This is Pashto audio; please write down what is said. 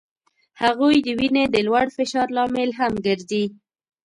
هغوی د وینې د لوړ فشار لامل هم ګرځي.